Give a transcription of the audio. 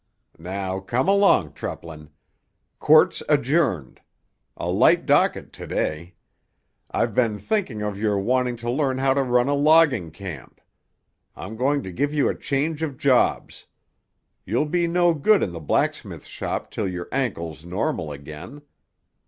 Now come along, Treplin. Court's adjourned; a light docket to day. I've been thinking of your wanting to learn how to run a logging camp. I'm going to give you a change of jobs. You'll be no good in the blacksmith shop till your ankle's normal again.